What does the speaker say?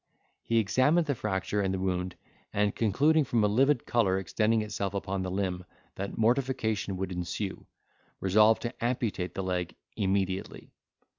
He examined the fracture and the wound, and concluding, from a livid colour extending itself upon the limb, that mortification would ensue, resolved to amputate the leg immediately.